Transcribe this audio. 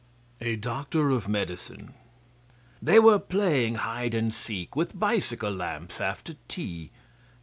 A Doctor of Medicine They were playing hide and seek with bicycle lamps after tea.